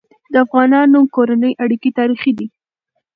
د افغانانو کورنی اړيکي تاریخي دي.